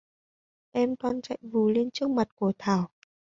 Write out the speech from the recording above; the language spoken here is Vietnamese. Em toan chạy vù lên trước mặt của Thảo